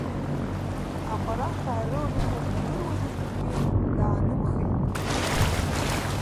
Аҟәарашаа ирыланхоз агыруа заҵәыкгьы даанымхеит.